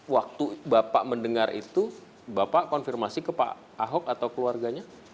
waktu bapak mendengar itu bapak konfirmasi ke pak ahok atau keluarganya